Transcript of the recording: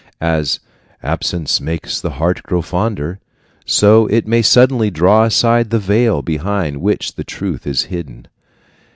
As "absence makes the heart grow fonder," so it may suddenly draw aside the veil behind which the truth is hidden.